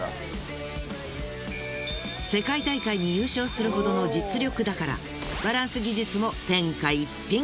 世界大会に優勝するほどの実力だからバランス技術も天下一品。